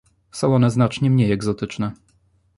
Są one znacznie mniej egzotyczne